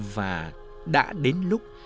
và đã đến lúc